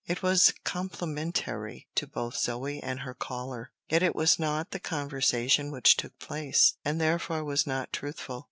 It was complimentary to both Zoe and her caller, yet it was not the conversation which took place, and therefore was not truthful.